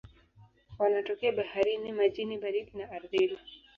Wanatokea baharini, majini baridi na ardhini.